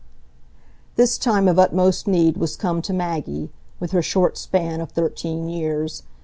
This time of utmost need was come to Maggie, with her short span of thirteen years.